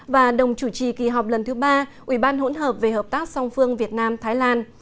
và đồng chủ trì kỳ họp lần thứ ba ủy ban hỗn hợp về hợp tác song phương việt nam thái lan